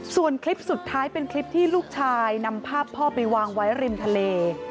ส่วนคลิปสุดท้ายเป็นคลิปที่ลูกชายนำภาพพ่อไปวางไว้ริมทะเล